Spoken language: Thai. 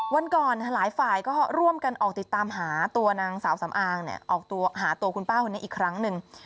วันก่อนหลายฝ่ายก็ร่วมกันออกติดตามหาตัวนางสาวสำอางออกหาตัวคุณป้าคนนี้อีกครั้งหนึ่ง